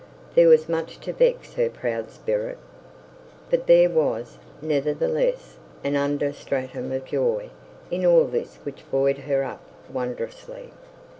There was much to vex her proud spirit. But there was, nevertheless, an under stratum of joy in all this which buoyed her up wondrously.